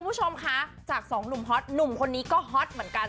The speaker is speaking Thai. คุณผู้ชมคะจากสองหนุ่มฮอตหนุ่มคนนี้ก็ฮอตเหมือนกัน